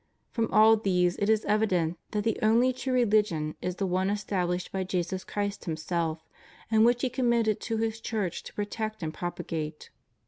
From all these it is evident that the only true rehgion is the one established by Jesus Christ Himself, and which He conmaitted to His Church to protect and to propagate.